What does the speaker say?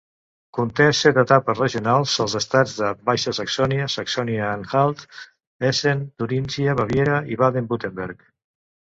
Conté set etapes regionals als estats de Baixa Saxònia, Saxònia-Anhalt, Hessen, Turíngia, Baviera i Baden-Württemberg.